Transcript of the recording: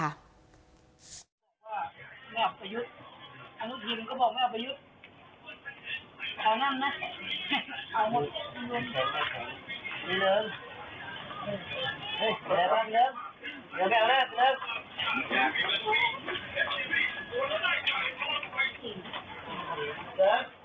แล้วกันแล้วแล้วกันแล้วแล้ว